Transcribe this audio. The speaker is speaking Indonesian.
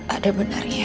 ada benar ya